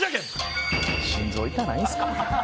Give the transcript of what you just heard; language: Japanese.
心臓痛ないんすか。